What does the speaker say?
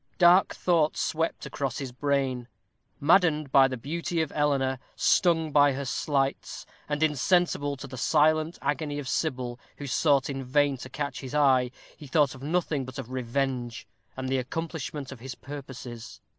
Dark thoughts swept across his brain. Maddened by the beauty of Eleanor, stung by her slights, and insensible to the silent agony of Sybil, who sought in vain to catch his eye, he thought of nothing but of revenge, and the accomplishment of his purposes.